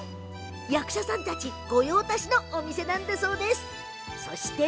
役者さんたち御用達のお店なんですって。